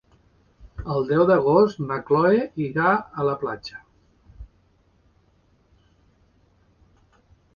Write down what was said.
El deu d'agost na Chloé irà a la platja.